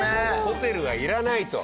ホテルがいらないと。